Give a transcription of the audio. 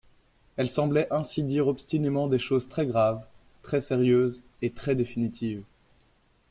Elle semblait ainsi dire obstinément des choses très graves, très sérieuses et très définitives.